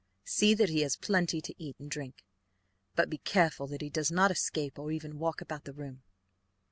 See that he has plenty to eat and drink, but be careful that he does not escape, or even walk about the room.